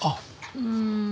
うん。